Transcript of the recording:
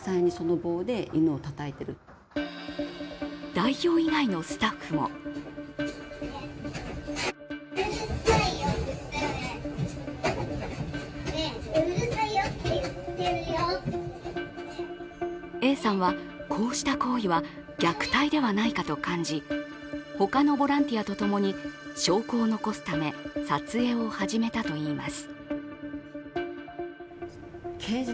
代表以外のスタッフもＡさんは、こうした行為は虐待ではないかと感じ、他のボランティアと共に証拠を残すため撮影を始めたといいます。